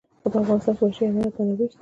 په افغانستان کې د وحشي حیوانات منابع شته.